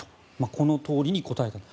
このとおりに答えたと。